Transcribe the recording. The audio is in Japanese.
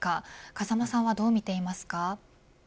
風間さんはどうみていますか。